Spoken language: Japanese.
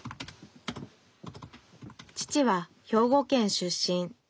父は兵庫県出身。